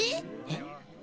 えっ。